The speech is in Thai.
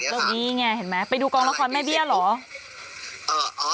ลึกนี่เนี่ยเห็นมั้ยไปดูกองละครแม่เบี้ยหรอ